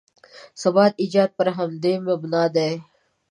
ثبات ایجاد پر همدې مبنا دی.